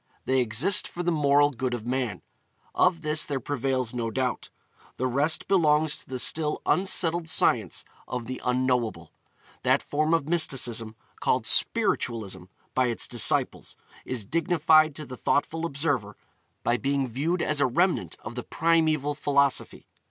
They exist for the moral good of man; of this there prevails no doubt. The rest belongs to the still unsettled science of the Unknowable. That form of mysticism called 'spiritualism' by its disciples is dignified to the thoughtful observer by being viewed as a remnant of the primeval philosophy.